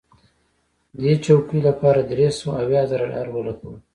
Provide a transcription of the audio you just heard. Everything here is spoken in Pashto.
دې چوکۍ لپاره درې سوه اویا زره ډالره ولګول.